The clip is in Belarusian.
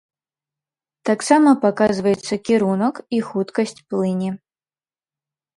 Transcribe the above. Таксама паказваецца кірунак і хуткасць плыні.